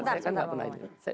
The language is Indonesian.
saya kan gak pernah ini